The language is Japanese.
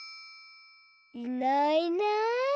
いないいない。